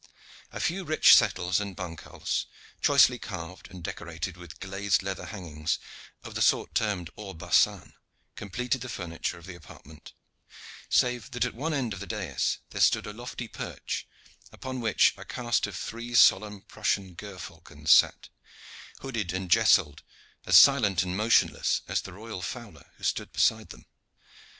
A few rich settles and bancals, choicely carved and decorated with glazed leather hangings of the sort termed or basane, completed the furniture of the apartment, save that at one side of the dais there stood a lofty perch, upon which a cast of three solemn Prussian gerfalcons sat, hooded and jesseled, as silent and motionless as the royal fowler who stood beside them.